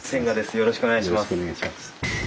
よろしくお願いします。